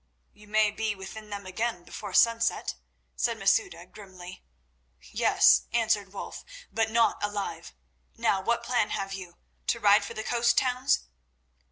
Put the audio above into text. "You may be within them again before sunset," said Masouda grimly. "Yes," answered Wulf, "but not alive. Now what plan have you? To ride for the coast towns?"